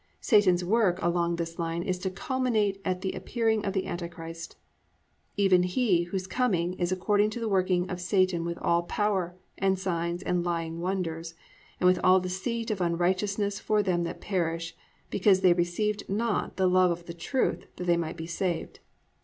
Satan's work along this line is to culminate at the appearing of the Anti Christ, +"Even he, whose coming is according to the working of Satan with all power, and signs and lying wonders, and with all deceit of unrighteousness for them that perish; because they received not the love of the truth, that they might be saved."